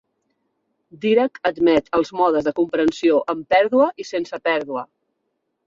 Dirac admet els modes de comprensió amb pèrdua i sense pèrdua.